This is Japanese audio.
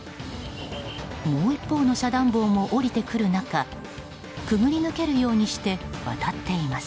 もう一方の遮断棒も下りてくる中くぐり抜けるようにして渡っています。